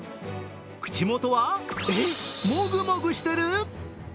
口元はえっ、もぐもぐしてる？